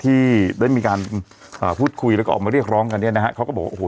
ที่ได้มีการอ่าพูดคุยแล้วก็ออกมาเรียกร้องกันเนี่ยนะฮะเขาก็บอกว่าโอ้โห